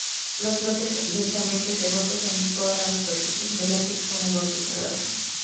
Los brotes densamente sedosos en toda la superficie; de látex con olor desagradables.